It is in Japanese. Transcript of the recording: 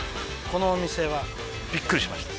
このお店はビックリしました